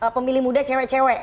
pemilih muda cewek cewek